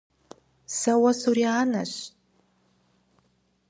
Сэ уэ сурианэщ!